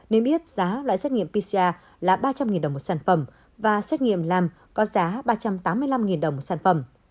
niêm yết giá loại xét nghiệm pcr là ba trăm linh đồng một sản phẩm và xét nghiệm làm có giá ba trăm tám mươi năm đồng một sản phẩm